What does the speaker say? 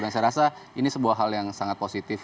dan saya rasa ini sebuah hal yang sangat positif